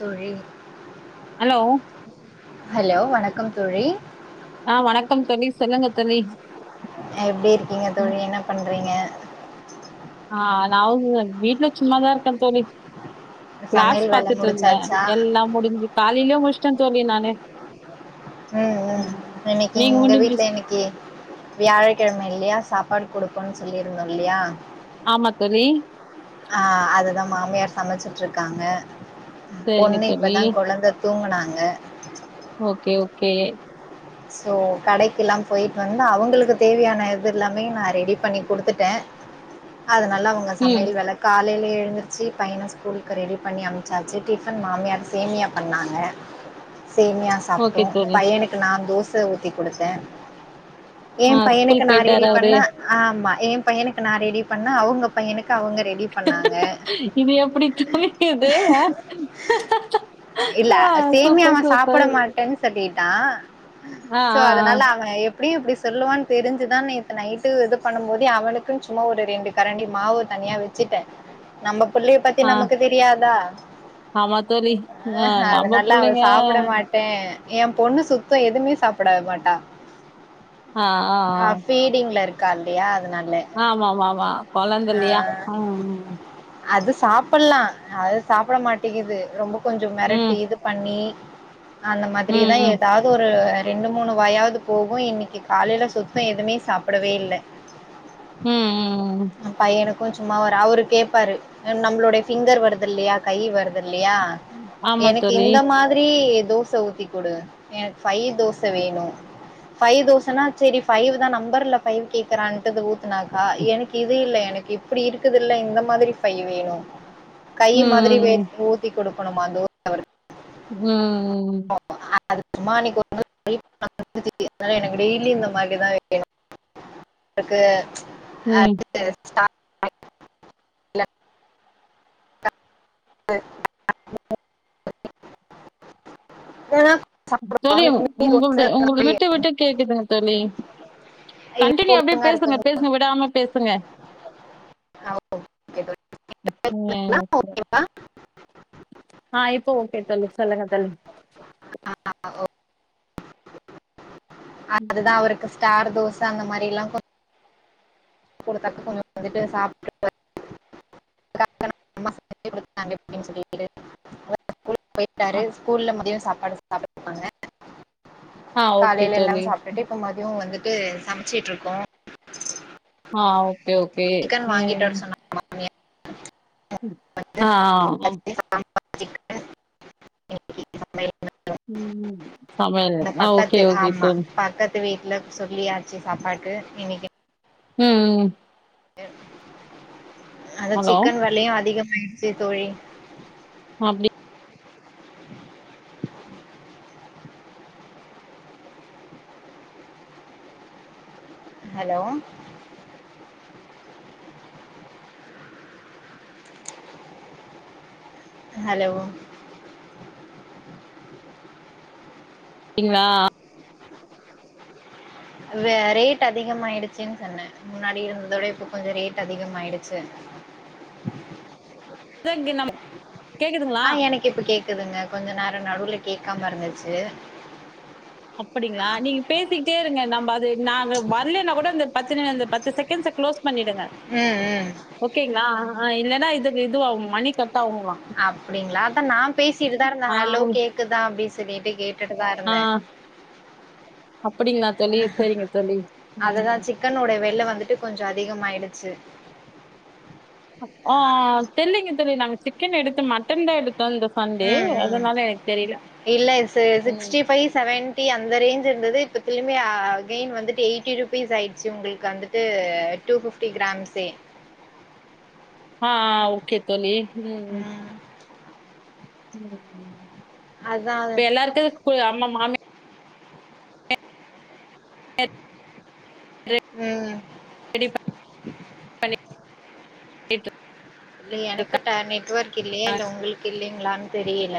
தோழி hello hello வணக் கம் தோழி ஆ வணக்கம் தோழி, சொல்லுங்க தோழி எப்டி இருக்கீங்க தோழி, என்ன பண்றீங்க? ஆ நா வு வீட்ல சும்மாதா இருக்கே தோழி கிளாஸ் சமையல் வேல பாத்துட்டு இருந்தே முடிச்சாச்சா எல்லா முடிஞ்சு கா காலைலே முடிச்சிட்டே தோழி நானு ம், ம் இன்னைக்கி நீங்க எங்க முடிஞ்சு வீட்ல இன்னைக்கி வியாழ கெழமை இல்லையா சாப்பாடு குடுப்போம்னு சொல்லியிருந்தோ இல்லையா ஆமா தோழி. ஆ, அது தா மாமியார் சமைச்சிட்டு இருக்காங்க சரிங்க பொண்ணு தோழி. இப்பதா கொழந்த தூங்குனா ங்க ஓகே ஓகே சோ கடைக்கில்லா போய்ட்டு வந்து அவுங்களுக்கு தேவையான இது எல்லாமே நா ரெடி பண்ணி குடுத்துட்டே அதனால அவங்க ம். சமையல் வேல காலைலயே எந்துருச்சி பையன ஸ்கூலுக்கு ரெடி பண்ணி அம்ச்சாச்சு டிஃபன் மாமியார் சேமியா பண்ணாங்க, சேமியா சாப்பிட்டோ ஓகே தோழி. பையனுக்கு நா தோச ஊத்தி குடுத்தே ஏ‌ ஆ பையனுக்கு ஸ்கூல் நா ரெடி போயிட்டாரு அவரு. பண்ணா ஆமா எ பையனுக்கு நா ரெடி பண்ண, அவுங்க பையனுக் க்கு அவுங்க ரெடி பண்ணாங்க இது எப்படி தோழி இது? ஆ இல்ல ஆ சேமியா சூப்பர் அவ சாப்பிட சூப்பர். மாட்டேன்னு சொல்லி ட்டா ஆ சோ ஆ ஆ. அதனால அவன எப் எப்டியு இப்டி சொல்லுவான்னு தெரிஞ்சுதா நேத்து நைட்டு இது பண்ணும் போதே அவனுக்கு சும்மா ஒரு ரெண்டு கரண்டி மாவு தனியா வச்சுட்டே நம்ப புள்ளைய பத்தி ஆ நமக்கு தெரியாதா ஆமா தோழி. ஆ நம்ம அதனால அவ புள்ளைங்க சாப்பிட மாட்டே ஏ பொண்ணு சுத் தோ எதுமே சாப்பிட மாட்டா ஆ ஃபீடிங்ல இரு க்கா இல்லையா அதனா ஆமாமாமா கொழந்த இல்லையா ம் அது சாப்புட்லா அது சாப்ட மாட்டேங்குது ரொம்ப கொஞ்சோ ம் மெரட்டி இது பண்ணி அந்த ம் மாதிரிதா ம் ஏதாது ஒரு ரெண்டு மூணு வாயாவது போகு இன்னைக்கி காலைல சுத்தோ எதுமே சாப்டவே இல்ல ம் ம் க்கு சும்மா அவரு அவுரு கேப்பாரு நம்மளோடைய ஃபிங்கர் வருதுல்லையா கை வருது இல்லையா ஆமா எனக்கு தோழி இந்த மாதிரி தோச ஊத்திக் குடு எனக்கு ஃபைவ் தோச வேணு, ஃபைவ் தோசனா சேரி ஃபைவ் தா நம்பர்ல ஃபைவ் கேக்றான்ட்டு அது ஊத் துனாக்கா எனக்கு இது இல்ல எனக் இப்டி இருக்குதுல இந்த மாதிரி ஃபைவ் வேணு கை மாதிரி வே ம் ஊத்தி குடு க்குணுமா தோச அவருக் ம் அது சும்மா அன்னைக்கு ஒரு நாள் ட்ரை பண்ண சொன்னுச்சி அதனால எனக்கு டெய்லி இந்த மாதிரி தா வேணு அவருக்கு ம் ஐ இல்ல [inaudible] ஏன்னா தோழி உங்களுடய உங்களுது விட்டு விட்டு கேக்குதுங்க தோழி, இப்போ கண்டினியூ அப்டியே ஒழுங்கா பேசுங்க இருக்குங்களா பேசுங்க விடாம பேசுங்க, ம் ஓகேங்களா ஆ இப்போ ஓகே தோழி, சொல்லுங்க தோழி, ஆ ஓகே அதுதா ம். அவருக்கு ஸ்டார் தோச ச அந்த மாரில்லா குடுத்தாலு கொஞ்சோ வந்துட்டு சாப்ட்டு [unintelligible] காட்டணு அம்மா செஞ்சி குடுத்தாங்க இப்டினு சொல்லிட்டு அதா ஸ்கூல்க்கு போயிட்டாரு ஆ ஸ்கூல்ல முதியம் சாப்ட் ஆ [inaudible] ஓகே காலைல எல்லா தோழி சாப்ட்டுட்டு இப்ப மத்யு வந்து க சமச்சுட்டுருக்கோ ஆ ஓகே ஓகே ஏ ஆஹ் உம் ஆ ம் [inaudible] உம் சமையல் ஆ ஓகே ஓகே தோழி ல்லன்னு சொல்லியாச்சு சாப்பாட்க்கு இன்னிக்கு உம் ஏன் அத ஹலோ சிக்கன் வெலையு அதிகம் பயிற்சி தோழி அப்டி ஹலோ ஹலோ கீங்ளா வே ரேட் அதிகமாயிடுச்சுன்னு சொன்னே முன்னாடி இருந்ததோட இப்ப கொஞ்சோ ரேட் அதிகமாயிடுச்சு [unintelligible] நம்ம ஆ எனக் இப்ப கேக்குதுங்க கொஞ்சோ நேரோ நடுவுல கேக்காம இருந்துச்சு அப்படி ங்ளா நீங்க பேசிக்கிட்டே இருங்க நம் வாது நாங்க வர்லேனா கூட இந்த பத்து நி பத்து செகண்ட்ஸ்ச க்ளோஸ் பண்ணிடுங்க ம் ம் ஓகேங்ளா ஆ இல்லனா இது இது ஆவோ மணி கட் ஆகுங்களாம். அப்டிங்ளா அதா நா பேசிட்டுதா இருந்தே ஆ, ஹலோ கேக்குதா அப்டி திவ் நேத்தே கேட்டுட்டுதா இருந்தே அப்பிடிங்ளா தோழி செரிங்க தோழி உம் டு கொஞ்சோ அதிகமாயிடுச்சு அ ஆ ஆஹ் தெரிலிங்க தோழி நா சிக்கன் எடுத்தோ மட்டன்தா எடு உம் உம் இல்லக சேர் ம். சிக்ஸ்டி ஃபைவ் சவன் டி அந்த ரேஞ்ச் இருந்தது இப்ப திழுமி ஆ கைன் வந்துட்டு எயிட்டி ருபீஸ் ஆயிடுச்சு உங்குளுக்கு அந்துட்டு டூ பிப்டி கிராம்சே ஆ ஓகே தோழி உம் ம் [unintelligible] அதான் இப்ப எல்லாருக்கு ஸ்கூல் அம்மம் மாமி உம் [inaudible] இல்ல எனக்கு இருக்கா ட நெட்ஒர்க் கில்லயா இல்ல உங்களுக்கு இல்லையா ங்களான்னு தெரியல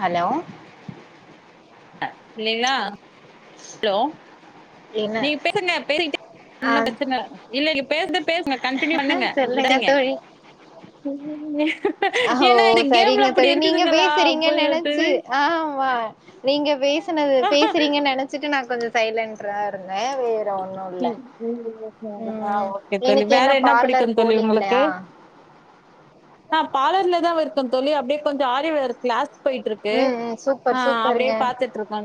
ஹலோ இல்லைகளா ஹலோ என்ன நீங்க பேசுங்க பேச [inaudible] ஆ ஒன்னு பிரச்சன இ இல்ல பேச பேசுங்க கன்டிநியூ பண்ணுங்க சொல்லுங்க விடாதிங்க நீங்க ஹோ சரிங்க தோழி நீங்க அப்ப பேசுறீங்கன்னு நெனச்சு தோழி ஆமா நீங்க பேசினது பேசுறீங்கன்னு நெனச்சிட்டு நா கொஞ்ச சைலண்ட்ரா இருந் வேற ஒன்னு இல்ல உம் ஓகே தோழி இன்னைக்கு வேற என்ன பார்லர் போலீங்களா ஆஹ் பார்லர்லதா இருக்கன் தோழி அப்படியே கொஞ்ச ஆரி வொர் கிளாஸ் போயிட்டு இருக்கு ம் ம் சூப்பர் ஆஹ் அப்படியே சூப்பருங்க பாத்துட்டு இருக்கோ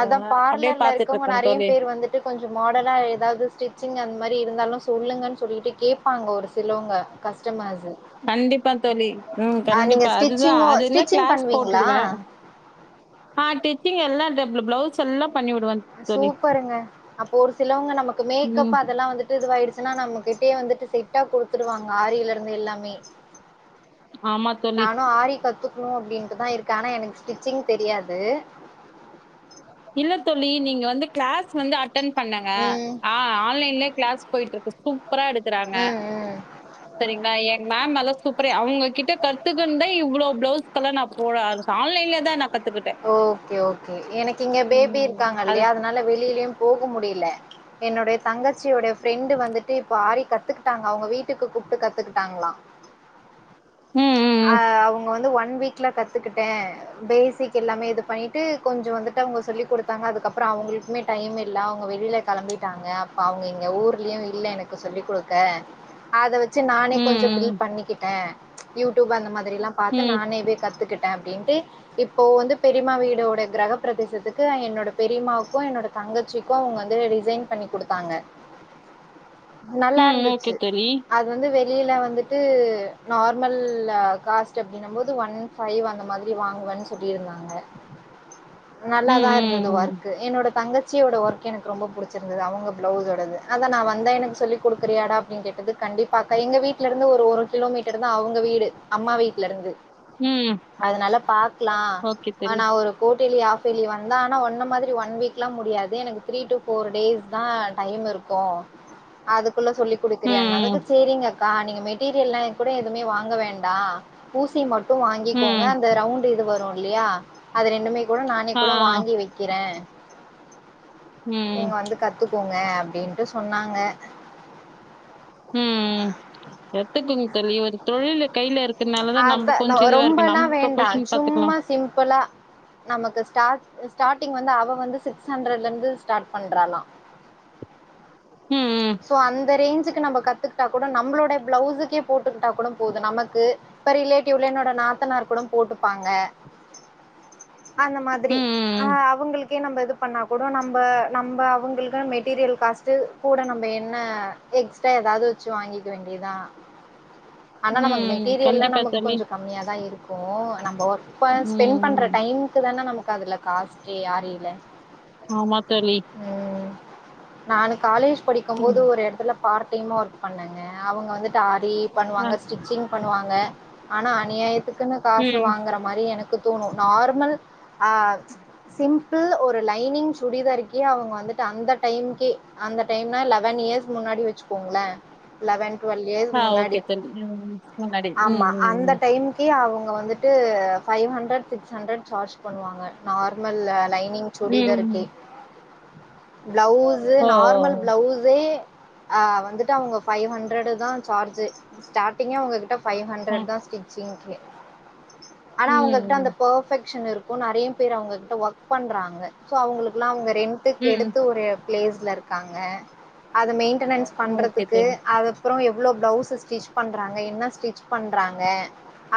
தோ அப்படியே பார்லர்ல பாத்துட்டு இருக்கவங்க இருக்கான் நெறைய தோழி பேர் வந்துட்டு கொஞ்சோ மாடலா எதாவ்து ஸ்டிச்சிங் அந்த மாரி இருந்தாலு சொல்லுங்கன்னு சொல்லிட்டு கேட்பாங்க ஒரு சிலவங்க கஸ்டமர்ஸு கண்டிப்பா தோழி உம் ஆ நீங்க கண்டிப்பா அதுதா ஸ்டிச்சிங்கு அதுல ஸ்டிச்சிங் கிளாஸ் பண்ணுவீங்ளா போட்டுடுவே ஆஹ் டிச்சிங் எல்லா இந்த ப் ப்ளவுஸ் எல்லா சூப்பருங்க அப்போ ஒரு சிலவங்க நமக்கு ம் மேக்கப் அதெல்லா வந்துட்டு இதுவாயிடு இதுனா நம்மகிட்டயே வந்துட்டு சிட்டா குடுத்துடுவாங்க ஆரியில இருந்து எல்லாமே ஆமா தோழி நானு ஆரி கத்துக் னு அப்படின்ட்டுதா இருக்க ஆனா எனக் ஸ்டிச்சிங் தெரியாது இல்ல தோழி நீங்க வந்து கிளாஸ் வந்து அட் டன் பண்ணங்க ம் ஆ ஆன்லைன்லயே க்ளாஸ் போயிட்டுருக்கு சூ ப்பரா எடுக்குறாங்க ம் ம் சரிங்களா எங் மேம் நல்லா சூப் ப்ரே அவங்ககிட்ட கத்துக்குன்தா இவ்ளோ பிளவுஸ்க்கலா நா போட ஆரம்ச்சே ஆன்லைன்லயேதா நா கத்துக்கிட்டே ஓகே ஓகே எனக் கிங்க பேபி ம் அது இருக்காங்கல்லையா அதனால வெளியிலயு போகு முடில என்னுடைய தங்கச்சியுடைய ஃப்ரெண்டு வந்துட்டு இப்ப ஆரி கத்துக்கிட்டாங்க அவங்க வீட்டுக்கு கூப்ட்டு கத்துக்குட்டாங்ளா ம் ஆ ம் அவங்க வந்து ஒன் ஒன் வீக்ல கத்துக்கிட்டே பேசி க் எல்லாமே இது பண்ணிட்டு கொஞ்சோ வந்துட்டு அவங்க சொல்லி குடுத்தாங்க அதுக்கப்ற அவங்களுக்குமே டைம் இல்ல அவங்க வெளில கெளம்பிட்டாங்க அப்ப அவங்க இங்க ஊர்லயு இல்ல எனக்கு சொல்லி குடுக்க அத வச்ச சு நானே கொஞ்ச ம் ஃபில் பண்ணிக்கிட்டே யூ டூப் அந்த மாரி எல்லா பாத்து ம் ம் நானேவே கத்துக்கிட் டே அப்டின்ட்டு இப்ப இப்போ வந்து பெரியமா வீடோட கிரகப்பிரதேசத்துக்கு என்னோட பெரியமாவுக்கு என்னோட தங்கச்சிக்கு அவங்க வந்து டிசைன் பண்ணி குடுத்தாங்க ம் ஓகே நல்லாருந்துச்சு தோழி அது வந்து வெ கீழ வந்துட்டு நார்மல் காஸ்ட் அப்டினம்போது ஒன் ஃபைவ் அந்த மாதிரி வாங்குவே சொல்லிருந்தாங்க ம் நல்லாதாருந்தது ம் வொர்க்கு என்னோட தங்க சச்சியோட ஒர்க் எனக்கு ரொம்ப புடிச்சிருந்தது அவங்க பிளவுஸோடது அதா நா வந்தா எனக்கு சொல்லி குடுக்குறியாடா அப்டின் கேட்டதுக்கு கண்டிப்பாக்கா எங்க வீட்லருந்து ஒரு ஒரு கிலோமீட்டர்தா அவங்க வீடு அம்மா வீட்லருந்து ம் ம். அதனால பா க்லா ஓகே தோழி ஆனா ஒரு கோட்டிலி ஆஃப் ஆஃப்பெலி வந்தா ஆனா ஒன்ன மாதிரி ஒன் வீக்லா முடியாது எனக்கு த்ரீ டூ ஃபோர் டேஸ்தா டைமிருக்கு அது குள்ள சொல்லி ம் குடுக்ககுறியான்னதுக்கு செரிங்கக்கா நீங்க மெட்டீரியல்லா கூட எதுமே வாங்க வேண்டா ஊசி மட் டும் வாங்கிக்கோங்க ம் அந்த ரவுண்ட் டு இது வரு இல்லயா அது ரெண்டுமே கூட நானே ஆ கூட வாங்கி வக்கிறே ம் நீங்க வந்து கத்துக் க்கோங்க அப்டின்ட்டு சொன்னாங்க ம் ம் எப்டி தெரியு தோழி ஒரு தொழிலு அத ரொம்பல்லா நம்ம வேண்டா ப்ரொபஷன் பாத்துக்கலா சும்மா சிம்பளா நமக்கு ஸ்டார்ட் ஸ்டார்டிங் வந்து அவ வந்து சிக்ஸ் ஹண்ட்ரட்லருந்து ஸ்டார்ட் பண்றாலா ம், சோ அந்த ரேஞ்சுக் கு நம்ப கத்துக்குட்டா கூட நம்ளோட பிளவுஸுக்கே போட்டுக்கிட்டா கூட போது நமக்கு இப்ப ரிலேட்டிவ்ல என்னோட நாத்தனார் கூட போட்டுப்பாங்க அந்த ம், மாதிரி ஆ ம், அவுங்ளுக் கே நம்ம இது பண்ணா கூட நம்ப நம்ப அவுங்ளுக் மெட்டீரியல் காஸ்ட்ட் கூட நம்ம என்ன எக்ஸ்ட்ரா ஏதாது வச்சு வாங்கிக்க வேண்டியதா ஆனா ம், நமக்கு ம். மெட்டீரியல்லா கண்டிப்பா நமக்கு தோழி. கொஞ்ச கம்மியாதாருக்கு நம்போ ஒர் இப்ப ம், ஸ்பெண்ட் பண்ற ம். டைம்க்கு தான நம அதுல காஸ்கே யாரு இல ஆமா தோழி நானுக் காலேஜ் படிக்கும்போது ம். ஒரு எடத்துல பார்ட் டைம் ஒர்க் பண்ணங்க அவங்க வந்துட்டு ஆரி டி ஆ, பண்ணுவாங்க ஸ்டிச்சிங் பண்ணுவாங்க ஆனா அநியாயத் க்குன்னு காசு ம். வாங்குற மாரி எனக்கு தோணு நார்மல் ஆஹ் சிம்பிள் ஒரு லைனிங் சுடிதர்க்கே அவங்க வந்துட்டு அந்த டைம்கே அந்த டைம்னா லெவன் இயர்ஸ் முன்னாடி வச்சுக்கோங்ளே லெவன் ட்வெல் இயர்ஸ் ஆ முன்னாடி ஓகே தோழி. ம். முன்னாடி. ம், ஆமா ம், அந்த ம். டைம்கே அவங் வந்துட்டு five hundred six hundred charge பண்ணுவாங்க நார்மல்ல லைன் நீங் சுடிதருக்கே ம். ப்ளவு ஓ! நார்மல் ஓ! பிளவுஸ்ஸு ஆஹ் வந்துட்டு அவுங்க ஃபைவ் ஹண்ட்ரட் தா சார்ஜு ஸ்டார்டிங்கே உங்க கிட்ட ஃபைவ் ஆ. ஹண்ட்ரட் தா ஸ்டிச்சிங்க்கே ஆனா அவுங்ககிட்ட அந்த ம், பெஃர்பக்க்ஷன் இருக் நெறைய பேர் அவுங்ககிட்ட ஒக் பண்றாங்க சோ அவுங்ளுக்குல்லா அவுங்க ரெண்ட்க்கு ம். எடுத்து ஒரு லேஸ்லருக்காங்க அது மெயின் ட்னன்ஸ் ம். ஓகே பண்றதுக்கு தோழி. அதப்றோ எவ்ளோ பிளவுஸ் ஸ்டிச் பண்றாங்க என்னா ஸ்டிச் பண்றாங்க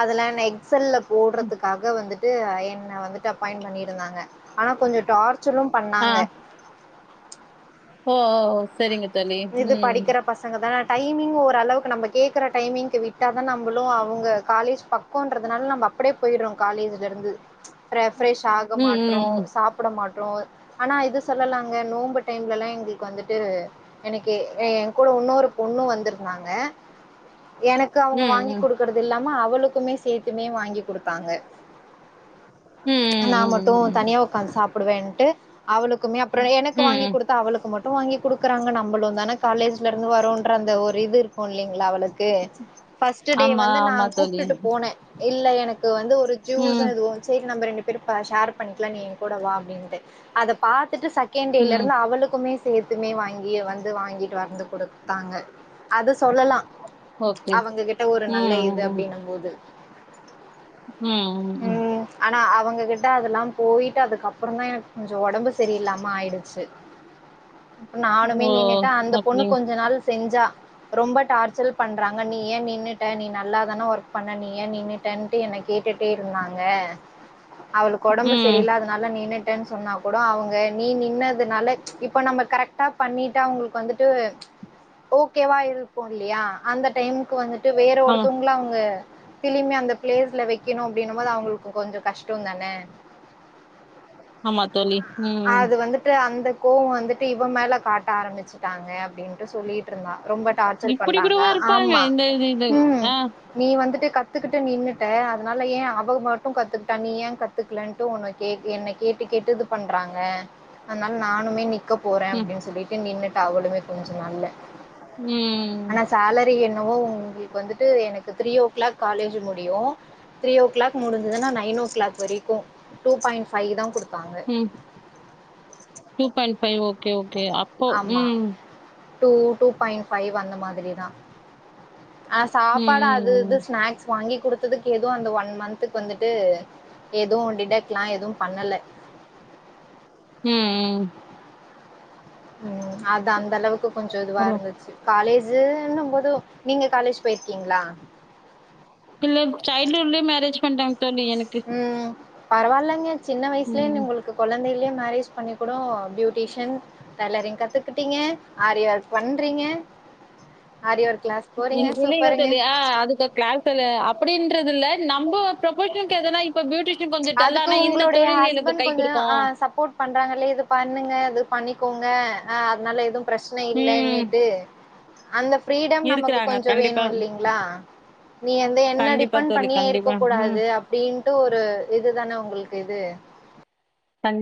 அதுல எக்சல்ல போடுறதுக்காக வந்துட்டு என்ன வந்துட்டு அப்பாய்ண்ட் பண்ணிருந்தாங்க ஆனா கொஞ்சோ டார்ச் டாச்சரு ஆ. பண்ணாங்க ஓ ஓ செரிங்க இது படிக்கிற பசங்க தா டைமிங் ஓரளவுக் நம்ம கேக்குற டைமிங்க்கு விட்டா தா நம்மளு அவங்க காலேஜ் பக்கன்றதுனால நம்ம அப்டே போயிடுறோ காலேஜ்ல இருந்து ரஃப்ரெஷ் ஆக ம், மாட்றோ ம், சாப்ட மாட் ஆனா இது சொல்லலாங்க நோம்பு டைம்லல்லா எங்களுக்கு வந்துட்டு எனக்கு என் கூட இன்னொரு பொண்ணு வந்திருந்தாங்க எனக்கு ம். அவங்க ம், வாங்கி ம். குடுக்குறதுல்ல ம்மா அவளுக்குமே சேர்த்துமே வாங்கி குடுத்தாங்க ம், நா ம், மட்டு தனியா உக்காந்து சாப் [unintelligible] அவளுக்குமே அப்பறோ ம், ம். எனக்கு வாங்கி ம். குடுத்தா அவளுக்கு மட்டு எதோ வாங்கி குடுக்குறாங்க நா நம்பளோ தானா காலேஜ் ல இருந்து வருன்ற அந்த ஒரு இது இருக்கு இல்லலைங்களா அவளுக்கு பஸ்ட் டே ஆமா, வந்து நா ஆமா தோழி. கூப்டுட்டு போன இல்ல எனக்கு வந்து ஒரு ஜூஸ் ம், மில்க் சேக் நம்ம ரெண்டு பேர் ஷேர் பண்ணிக்கலா நீ என் கூட வா அப்டின்ட்டு அத பாத்த ட்டு செகண்டேல ம். இருந்து அவளுக்குமே சேத்துமே வாங்கி வந்து வாங்கிட்டு வந்து குடுத்தாங்க அது சொல்லலா ஓகே. அவங்க கிட்ட ஒரு ம், நல்ல இது அப்டினும் போது உம் உம் உம் எங்க கிட்ட அதெல்லா போயிட்டு அதுக்கப்பறோ தா எனக்கு கொஞ்சோ உடம்பு சரியில்லாமா ஆயிடுச்சு இப்ப நானுமே ஓ! நின்ட் அந்த பொண்ணு அப்படியா? கொஞ்ச நாள் செஞ்சா ரொம்ப டார்சல் பண்றாங்க நீ ஏன் நின்னுட்ட நீ நல்லாதான ஒர்க் பண்ண நீ ஏன் நின்னுட்டனு என்ன கேட்டுட்டே இருந்தாங்க அவளுக்கு உடம்பு ம். செரியில்ல அதனால நின்ட் சொன்னா கூட அவங்க நீ நின்னதுனால இப்ப நம்ம கரெக்டா பண்ணிட்டா அவங்களுக்கு வந்துட்டு ஓகேவா இருக்கு இல்லையா அந்த டைமுக்கு வந்துட்டு விட்டு வேற ஆமா. ஒருத்தவங்களா அவங்க த்திலேமே அந்த பிளேஸ்ல வைக்கணும் அப்படின்னும் போது அவங்களுக்கு கொஞ்சம் கஷ்டம் தானே ஆமா தோழி ம் அந்த கோவம் வந்துட்டு இவன் மேல காட்ட ஆரம்பிச்சி ட்டாங்க அப்படின்ட்டு சொல்லிட்டு இருந்தா ரொம்ப டார்ச்சர் இப்டி பண்றாங்க கூடவா இருப்பாங்க ஆமா இந்த இது இது ம் ஆ நீ வந்துட்டு கத்துக்குட்டு நின்னுட்டேன் அதனால ஏன் அவ மட்டும் கத்துக்கிட்டா நீ ஏன் கத்துக்கலன்ட் உன் கே என்ன கேட்டு கேட்டு இது பண்றாங்க அதனால நானுமே நிக் நிக்க போறேன் ம் அப்படின்னு சொல்லிட்டு நின்னுடு அவளுமே கொஞ்சம் நாள்ல உம் ஆனா சேலரி என்னவோ உங்களுக்கு வந்துட்டு எனக்கு த்ரீ ஓ கிலாக் காலேஜ் முடியும் த்ரீ ஓ கிலாக் முடிஞ்சதுன நைனோ ஓ கிளாக் வரைக்கும் டூ பாய்ண்டு ஃப்வை தான் குடுப் ம் two point five okay கே அப்போ ஆமா. உம் டூ டூ பாயிண்ட் ஃபைவ் அந்த மாதிரி தா ஆஹ் ம் சாப்பாட அது ம் இது ஸ்நாக்ஸ் வாங்கி குடுத்ததுக்கு ஏதோ அந்த ஒன் மந்த்துக்கு வந்துட்டு எதுவு டிடேக்கலா எதுவு பண்ணல உம் உம் உம் அது அந்த அளவுக்கு கொஞ்ச இதுவா ம் இருந்துச்சு காலேஜ் ஜு ன்னு போது நீங்க காலேஜ் போயிருக்கீங்களா இல்ல சைல்ட்ஹுட்லே மேரேஜ் பண்டாங்க தோழி எனக்கு பரவாயில்லங்க சின்ன வயசுலயே ம் உங்களுக்கு குழந்தைலேயே மேரேஜ் பண்ணிகூட பியூட்டிஷன் டைலரிங் கத்துக்கிட்டீங்க ஆரி ஒர்க் பண்றீங்க ஆரி ஒர்க் கிளாஸ் போகிறீங்க நீங்க சொல்லையூலயே சூப்பருங்க தெரிலயா அதுக்கு [unintelligible] அப்டின்றது இல்ல நம்ம ப்ரோப்போஷன் [unintelligible] அதுக்கு உங்களுடைய எனக்கு ஹஸ்பண்ட் கை கொஞ்ச குடுக்கு ஹ சப்போர்ட் பண்றாங்கல்ல இது பண்ணுங்க அது பண்ணிக்கோங்க அதனால எதும் பிரச்சனை ம் இல்லன்னுட்டு அந்த ஃப்ரீடம் நமக்கு இருக்குறாங்க கொஞ்ச கண்டிப்பா வேணு இல்லைங்களா நீ வந்து என்ன கண்டிப்பா டிபண்ட் தோழி பண்ணியே இருக்க கண்டிப்பா ம் கூடாது அப்டின்ட்டு ஒரு ந உங்களுக்கு இது கண்டிப்